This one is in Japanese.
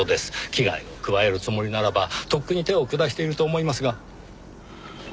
危害を加えるつもりならばとっくに手を下していると思いますが。